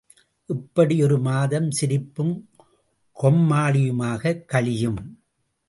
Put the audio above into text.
இப்படி ஒரு மாதம் சிரிப்பும் கொம்மாளியுமாகக் கழியும்.